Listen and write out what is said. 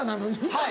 はい。